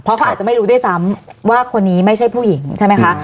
เพราะเขาอาจจะไม่รู้ด้วยซ้ำว่าคนนี้ไม่ใช่ผู้หญิงใช่ไหมคะ